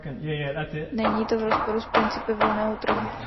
Není to v rozporu s principy volného trhu.